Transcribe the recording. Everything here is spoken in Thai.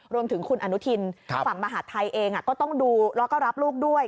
รวมถึงคุณอนุทินฝั่งมหาดไทยเองก็ต้องดูแล้วก็รับลูกด้วย